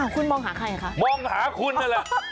คุณมองหาใครคะมองหาคุณนั่นแหละ